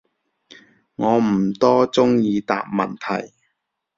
我唔多中意答問題